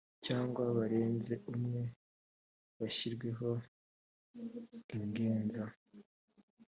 cyangwa barenze umwe bashyirwaho ingenza